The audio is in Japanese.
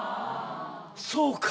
そうか。